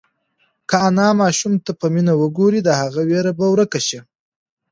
که انا ماشوم ته په مینه وگوري، د هغه وېره به ورکه شي.